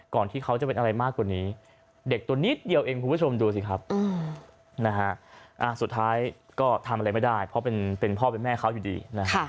ที่เขาจะเป็นอะไรมากกว่านี้เด็กตัวนิดเดียวเองคุณผู้ชมดูสิครับนะฮะสุดท้ายก็ทำอะไรไม่ได้เพราะเป็นพ่อเป็นแม่เขาอยู่ดี